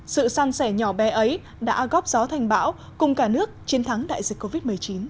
sự săn sẻ nhỏ bé ấy đã góp gió thành bão cùng cả nước chiến thắng đại dịch covid một mươi chín